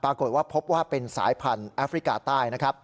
ปรากฏว่าพบว่าเป็นสายพันธุ์แอฟริกาใต้นะครับ